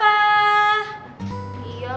ya demam dikit doang